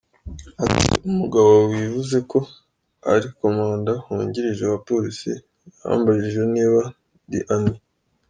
Ati: “Umugabo wivuze ko ari komanda wungirije wa polisi yambajije niba ndi Annie.